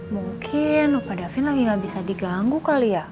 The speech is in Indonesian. mungkin pak davin lagi gak bisa diganggu kali ya